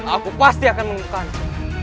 aku pasti akan menemukanmu